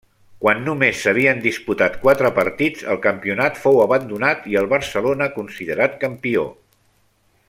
Quan només s'havien disputat quatre partits el campionat fou abandonat i el Barcelona considerat campió.